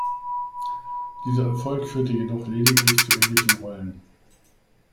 Dieser Erfolg führte jedoch lediglich zu ähnlichen Rollen.